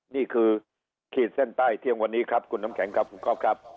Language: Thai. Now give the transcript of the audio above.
นี่คือขีดเส้นใต้เที่ยงวันนี้ครับคุณน้ำแข็งครับคุณก๊อฟครับ